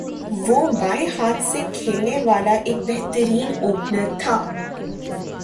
وہ بائیں ہاتھ سےکھیلنے والا ایک بہترین اوپنر تھا